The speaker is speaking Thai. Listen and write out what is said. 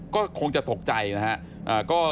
ก็คงจะตกใจนะครับ